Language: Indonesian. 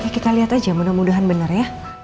kita lihat aja mudah mudahan benar ya